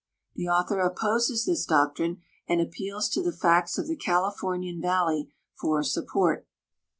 The author opposes this doctrine and appeals to the facts of the Californian valley for support.